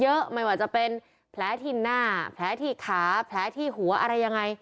ไม่ว่าจะเป็นแผลที่หน้าแผลที่ขาแผลที่หัวอะไรยังไง